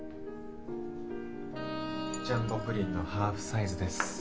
ジャンボプリンのハーフサイズです。